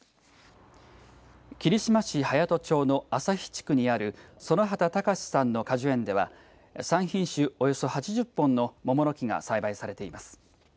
霧島市隼人町の朝日地区にある園畑大嘉志さんの果樹園では３品種およそ８０本の桃の木が栽培されています。